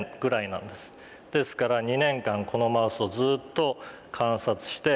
ですから２年間このマウスをずっと観察して。